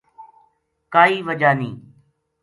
کائے وجہ نیہہ‘‘